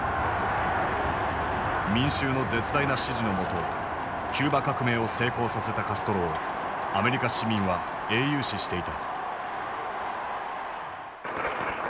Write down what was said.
民衆の絶大な支持の下キューバ革命を成功させたカストロをアメリカ市民は英雄視していた。